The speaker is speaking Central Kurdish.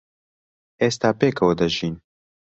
ئێستا پێکەوە دەژین.